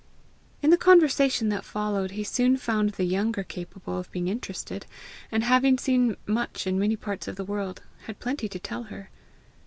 In the conversation that followed, he soon found the younger capable of being interested, and, having seen much in many parts of the world, had plenty to tell her.